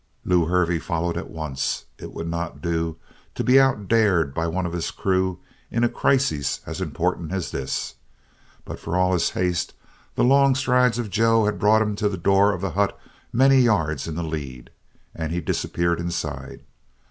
Lew Hervey followed at once. It would not do to be out dared by one of his crew in a crisis as important as this. But for all his haste the long strides of Joe had brought him to the door of the hut many yards in the lead, and he disappeared inside.